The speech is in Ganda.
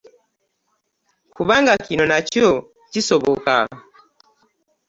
Kubanga kino nakyo kisoboka.